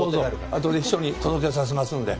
あとで秘書に届けさせますんで。